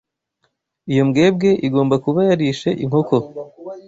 Iyo mbwebwe igomba kuba yarishe inkoko.